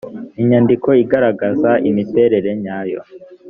inyandiko igaragaza imiterere nyayo.